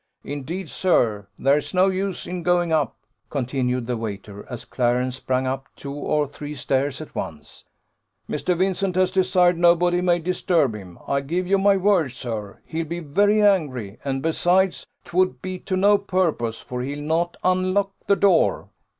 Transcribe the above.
Indeed, sir, there's no use in going up," continued the waiter, as Clarence sprang up two or three stairs at once: "Mr. Vincent has desired nobody may disturb him. I give you my word, sir, he'll be very angry; and, besides, 'twould be to no purpose, for he'll not unlock the door."